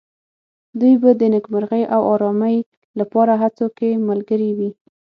دوی به د نېکمرغۍ او آرامۍ لپاره هڅو کې ملګري وي.